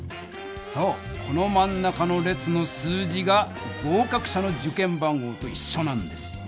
そうこのまん中の列の数字が合かく者の受験番号といっしょなんです。